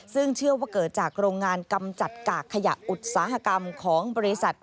ซึ่งเชื่อว่าเกิดจากโรงงานกำจัดกากขยะอุตสาหกรรมของบริษัท